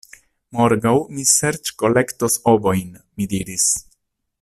Morgaŭ mi serĉkolektos ovojn, mi diris.